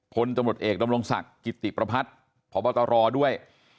พลตำรวจเอกดำรงศักดิ์กิติประพัฒน์พบตรด้วย